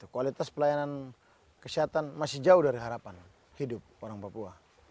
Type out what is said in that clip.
kualitas pelayanan kesehatan masih jauh dari harapan hidup orang papua